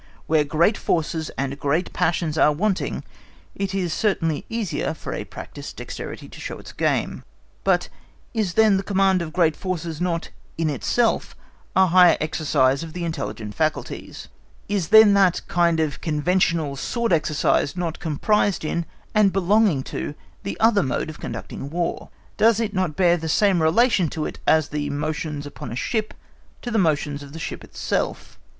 Where great forces and great passions are wanting, it is certainly easier for a practised dexterity to show its game; but is then the command of great forces, not in itself a higher exercise of the intelligent faculties? Is then that kind of conventional sword exercise not comprised in and belonging to the other mode of conducting War? Does it not bear the same relation to it as the motions upon a ship to the motion of the ship itself?